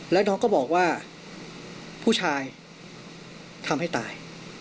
แล้วน้องก็บอกว่าผู้ชายทำให้ตาย